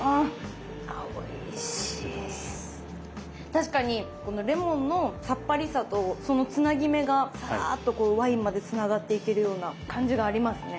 確かにこのレモンのさっぱりさとそのつなぎ目がサーッとこうワインまでつながっていけるような感じがありますね。